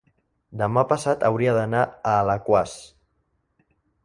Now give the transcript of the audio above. Demà passat hauria d'anar a Alaquàs.